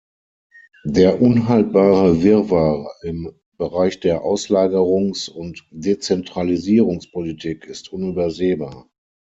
Der unhaltbare Wirrwarr im Bereich der Auslagerungs- und Dezentralisierungspolitik ist unübersehbar.